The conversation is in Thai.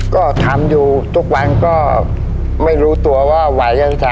ก็ทำอยู่ทุกวันก็ไม่รู้ตัวว่าไหวยังทำ